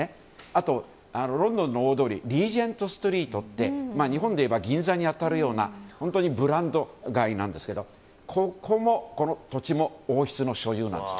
あと、ロンドンの大通りリージェント・ストリートって日本でいえば銀座に当たるようなブランド街なんですけどこの土地も王室の所有なんです。